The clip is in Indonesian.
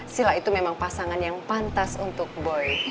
sila itu memang pasangan yang pantas untuk boy